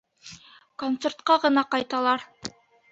Концертҡа ғына ҡайталар.